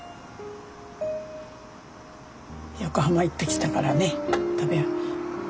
横浜行ってきたからね食べよ。